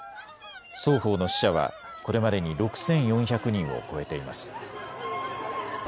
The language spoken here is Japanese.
双方の死者はこれまでに６４００人を超えています。